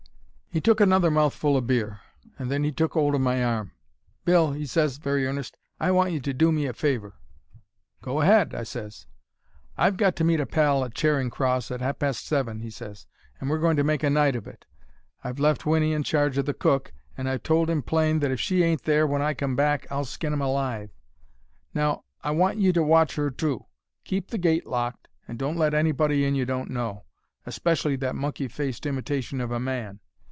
"He took another mouthful o' beer, and then he took 'old of my arm. 'Bill,' he ses, very earnest, 'I want you to do me a favour.' "'Go ahead,' I ses. "'I've got to meet a pal at Charing Cross at ha' past seven,' he ses; 'and we're going to make a night of it. I've left Winnie in charge o' the cook, and I've told 'im plain that, if she ain't there when I come back, I'll skin 'im alive. Now, I want you to watch 'er, too. Keep the gate locked, and don't let anybody in you don't know. Especially that monkey faced imitation of a man.